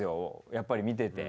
やっぱり見てて。